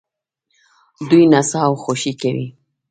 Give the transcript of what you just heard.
دوی نڅا او خوښي کوي.